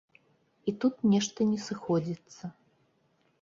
І тут нешта не сыходзіцца.